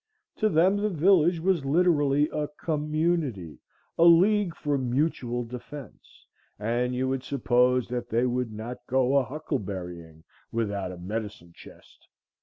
To them the village was literally a com munity, a league for mutual defence, and you would suppose that they would not go a huckleberrying without a medicine chest.